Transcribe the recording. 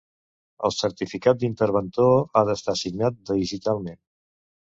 El certificat d'Interventor ha d'estar signat digitalment.